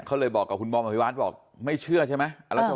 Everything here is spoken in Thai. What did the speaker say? เขาเลยบอกกับคุณบอมอภิวาร์ดบอกไม่เชื่อใช่ไหมอ่าค่ะอ่า